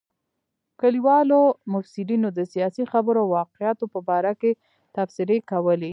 کلیوالو مبصرینو د سیاسي خبرو او واقعاتو په باره کې تبصرې کولې.